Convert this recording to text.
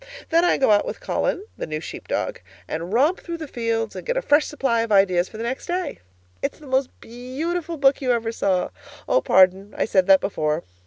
Then I go out with Colin (the new sheep dog) and romp through the fields and get a fresh supply of ideas for the next day. It's the most beautiful book you ever saw Oh, pardon I said that before.